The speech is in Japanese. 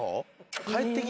帰ってきて？